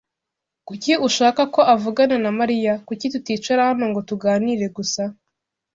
Kuki ushaka ko avugana na Mariya? Kuki tuticara hano ngo tuganire gusa?